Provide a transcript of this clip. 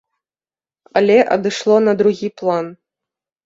Але адышло на другі план.